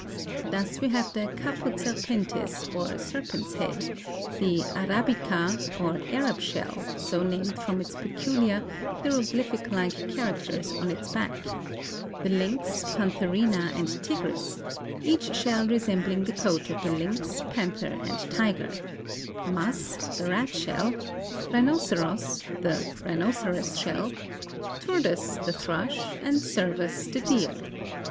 Thus we have the caput serpentis or serpent's head; the arabica or Arab shell, so named from the peculiar, hieroglyphic like characters on its back; the lynx, pantherina and tigris, each shell resembling the coat of the lynx, panther and tiger; mus, the rat shell; rhinoceros, the rhinoceros shell; turdus the thrush, and cervus the deer.